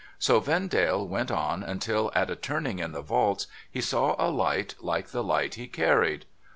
So Vendale went on until, at a turning in the vaults, he saw a light like the light he carried.